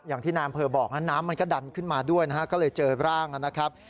อย่างที่นายอำเภอบอกนะน้ำมันก็ดันขึ้นมาด้วยนะฮะก็เลยเจอร่างนะครับ